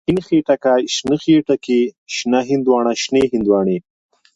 شين خټکی، شنه خټکي، شنه هندواڼه، شنې هندواڼی.